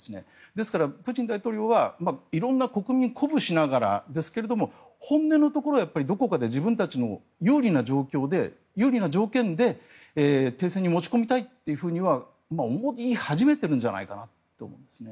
ですから、プーチン大統領は色んな国民を鼓舞しながらですが本音のところではどこかで自分たちの有利な条件で停戦に持ち込みたいというふうには思い始めているんじゃないかなと思うんですね。